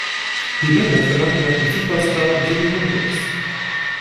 Die Menge verlangte nach dem Superstar Jimi Hendrix.